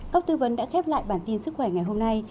các tư vấn đã khép lại bản tin sức khỏe ngày hôm nay